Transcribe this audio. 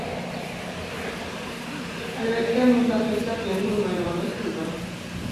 ئەلۋەتتە مۇنداق يازساق يەنە بولمايدىغاندەك تۇرىدۇ.